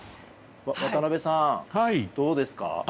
渡辺さん、どうですか？